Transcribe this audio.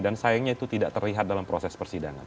dan sayangnya itu tidak terlihat dalam proses persidangan